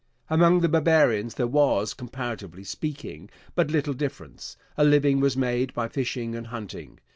Among the barbarians there was, comparatively speaking, but little difference. A living was made by fishing and hunting.